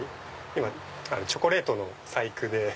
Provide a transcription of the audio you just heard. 今チョコレートの細工で。